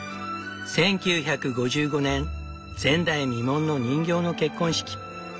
１９５５年前代未聞の人形の結婚式。